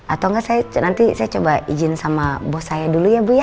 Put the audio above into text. atau enggak saya nanti saya coba izin sama bos saya dulu ya bu ya